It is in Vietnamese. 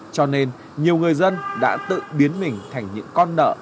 cho nên nhiều người dân đã tự biến mình thành những con nợ